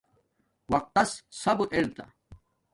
وقت تس صبرر ادہ